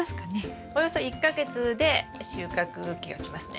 およそ１か月で収穫期が来ますね。